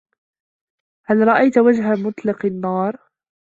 هل رأيت وجه مطلق النار؟